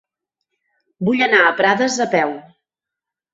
Vull anar a Prades a peu.